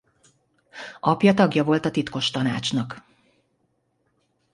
Apja tagja volt a Titkos Tanácsnak.